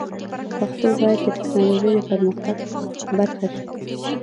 پښتو باید د ټکنالوژۍ د پرمختګ برخه شي.